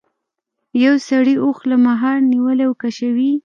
یو سړي اوښ له مهار نیولی او کشوي یې.